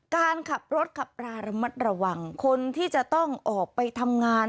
การขับรถขับราระมัดระวังคนที่จะต้องออกไปทำงาน